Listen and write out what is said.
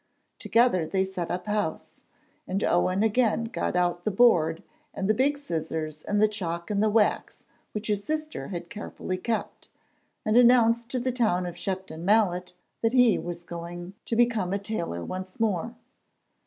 Together they set up house, and Owen again got out the board and the big scissors and the chalk and the wax which his sister had carefully kept, and announced to the town of Shepton Mallet that he was going to become a tailor once more.